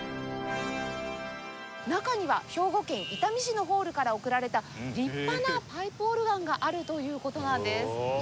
中には兵庫県伊丹市のホールから贈られた立派なパイプオルガンがあるという事なんです。